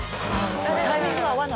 タイミング合わない。